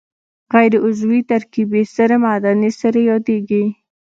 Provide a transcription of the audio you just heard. غیر عضوي ترکیبي سرې معدني سرې یادیږي.